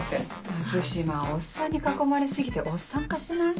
松島おっさんに囲まれ過ぎておっさん化してない？